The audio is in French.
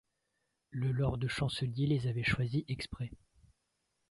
Le lord-chancelier les avait choisis exprès.